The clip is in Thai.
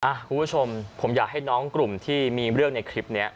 คุณผู้ชมผมอยากให้น้องกลุ่มที่มีเรื่องในคลิปนี้